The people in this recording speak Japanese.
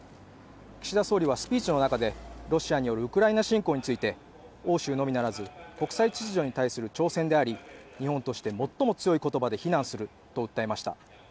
岸田総理はスピーチの中でロシアによるウクライナ侵攻について欧州のみならず国際秩序に対する挑戦であり日本として最も強い言葉で非難すると訴えました。